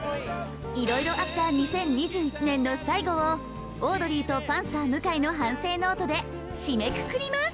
いろいろあった２０２１年の最後をオードリーとパンサー向井の反省ノートで締めくくります